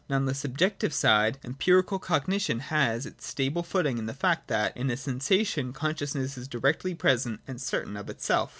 And on the subjective side Em pirical cognition has its stable footing in the fact that in a sensation consciousness is directly present and certain of itself.